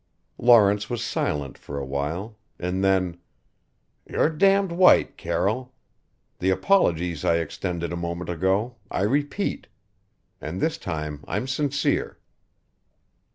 Lawrence was silent for awhile, and then "You're damned white, Carroll. The apologies I extended a moment ago I repeat. And this time I'm sincere."